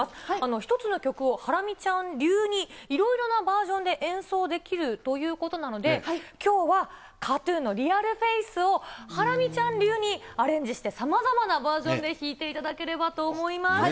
１つの曲をハラミちゃん流に、いろいろなバージョンで演奏できるということなので、きょうはＫＡＴーＴＵＮのＲｅａｌＦａｃｅをハラミちゃん流にアレンジして、さまざまなバージョンで弾いていただければと思います。